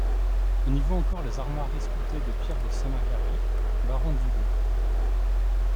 On y voit encore les armoiries sculptées de Pierre de Saint-Macary, baron du Leu.